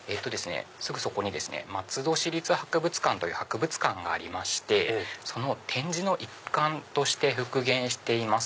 すぐそこにですね松戸市立博物館がありましてその展示の一環として復元しています。